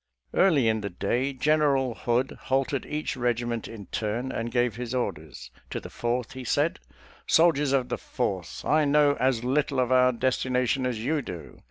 Early in the day Gen eral Hood halted each regiment in turn, and gave his orders. To the Fourth he said, " Sol diers of the Fourth : I know as little of our desti nation as you do.